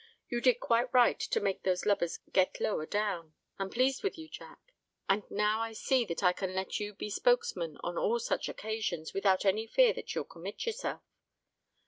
"You did quite right to make those lubbers get lower down. I'm pleased with you, Jack; and now I see that I can let you be spokesman on all such occasions without any fear that you'll commit yourself."